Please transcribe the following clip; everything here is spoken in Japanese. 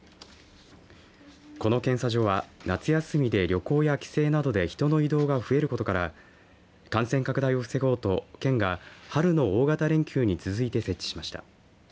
この検査所は夏休みで旅行や帰省などで人の移動が増えることから感染拡大を防ごうと県が春の大型連休に続いて設置しました。